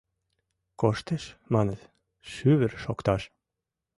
Коштеш, маныт, шӱвыр шокташ.